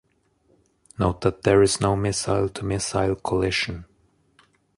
Note that there is no Missile to Missile collision.